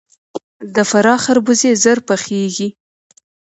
د فراه خربوزې ژر پخیږي.